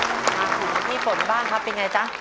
ขอขอบคุณพี่ฝนบ้างครับเป็นอย่างไรจ๊ะ